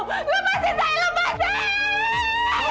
lepasin saya lepasin